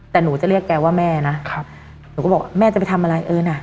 แต่หนูจะเรียกแกว่าแม่นะครับหนูก็บอกแม่จะไปทำอะไรเออน่ะ